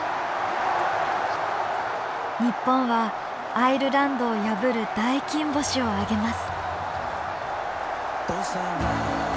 日本はアイルランドを破る大金星をあげます。